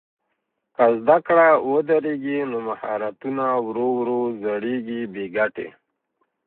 که زده کړه ودرېږي نو مهارتونه ورو ورو زړېږي بې ګټې.